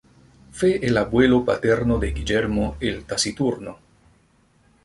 Fue el abuelo paterno de Guillermo el Taciturno.